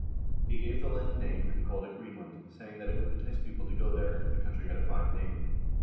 He gave the land name, and called it Greenland, saying that it would entice people to go there, if the country had a fine name.